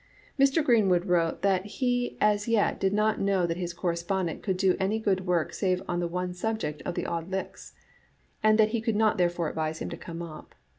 Mr. Greenwood wrote that he as yet did not know that his correspondent could do any good work save on the one subject of the Auld Lichts, and that he could not therefore advise him to come up.